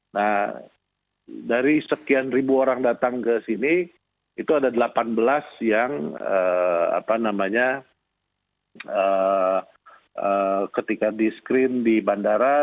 nah dari sekian ribu orang datang ke sini itu ada delapan belas yang ketika di screen di bandara